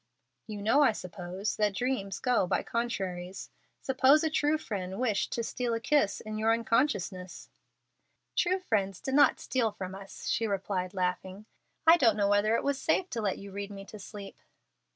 "You know, I suppose, that dreams go by contraries. Suppose a true friend wished to steal a kiss in your unconsciousness." "True friends do not steal from us," she replied, laughing. "I don't know whether it was safe to let you read me to sleep?"